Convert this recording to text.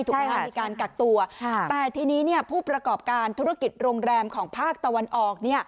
มีการกักตัวแต่ทีนี้ผู้ประกอบการธุรกิจโรงแรมของภาคตะวันออก